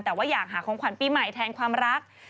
แต่ว่าอยากหาของขวัญปีใหม่แทนความรัก